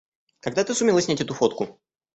Когда ты сумела снять эту фотку?